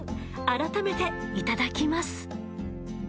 改めていただきます。